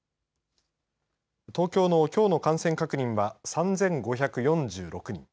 東京のきょうの感染確認は３５４６人